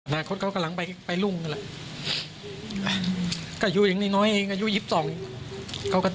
นาคตเขากำลังไปลุ่มก็อยู่ยังนิดน้อยอายุยิบสองเขา